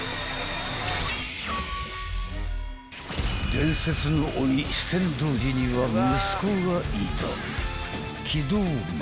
［伝説の鬼酒呑童子には息子がいた］